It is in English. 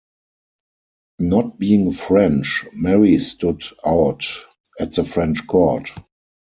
Not being French, Marie stood out at the French court.